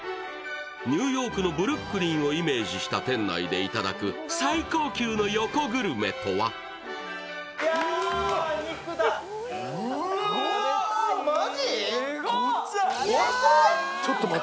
ニューヨークのブルックリンをイメージした店内でいただく最高級の横グルメとはうわマジ？